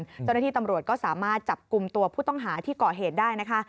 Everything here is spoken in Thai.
เจ้าหน้าที่ตำรวจก็สามารถจับกลุ่มตัวผู้ต้องหาที่ก่อเหตุได้นะคะ